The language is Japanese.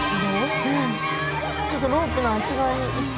ちょっとロープのあっち側にいって。